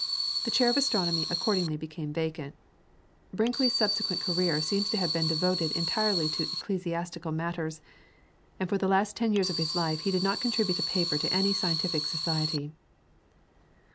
The chair of Astronomy accordingly became vacant. Brinkley's subsequent career seems to have been devoted entirely to ecclesiastical matters, and for the last ten years of his life he did not contribute a paper to any scientific society.